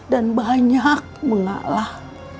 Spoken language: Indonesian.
dan banyak mengalah